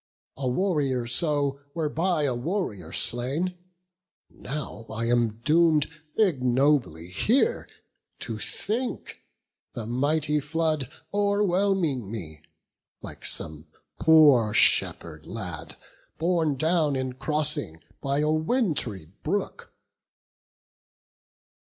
a warrior so Were by a warrior slain! now am I doom'd Ignobly here to sink, the mighty flood O'erwhelming me, like some poor shepherd lad, Borne down in crossing by a wintry brook."